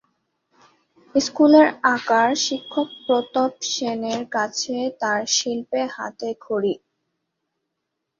স্কুলের আঁকার শিক্ষক প্রতাপ সেনের কাছে তার শিল্পে হাতেখড়ি।